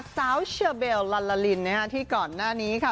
สาวเชอเบลลอัลลาลินที่ก่อนหน้านี้ค่ะ